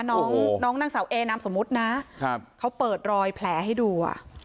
น้องน้องนางสาวเอนามสมมุตินะเขาเปิดรอยแผลให้ดู